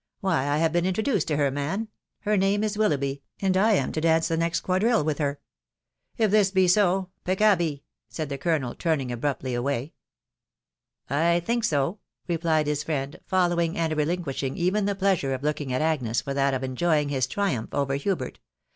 Why, 1 have been' inttoduced to he*,, man ,... hex name is WUloughby, and I am to dance Ae next quadrille with her.," .•* If this be so,, *...• peeeajd !'.. said the colonel^ turning abruptly away. " I think eoy' Bellied his friend* following* and relinquishing even the pleasure of looking at Agnes for that of enjpying, his triumph over Hubert.